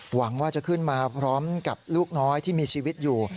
หวังว่าจะขึ้นมาพร้อมกับลูกน้อยที่มีชีวิตอยู่